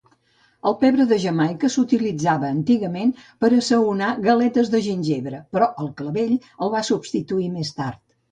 El pebre de Jamaica s'utilitzava antigament per a assaonar galetes de gingebre, però el clavell el va substituir més tard.